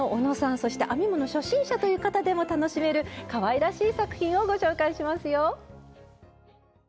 そして編み物初心者という方でも楽しめるかわいらしい作品をご紹介しますよ！